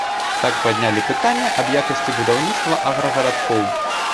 Так паднялі пытанне аб якасці будаўніцтва аграгарадкоў.